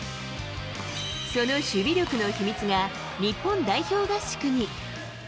その守備力の秘密が日本代表合宿に。